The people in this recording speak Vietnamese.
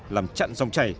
làm chặn dòng chảy